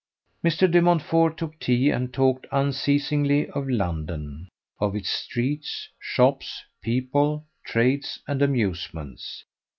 Mr. De Montfort took tea, and talked unceasingly of London, of its streets, shops, people, trades, and amusements.